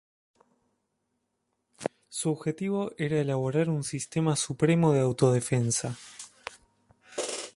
Su objetivo era elaborar un sistema supremo de autodefensa.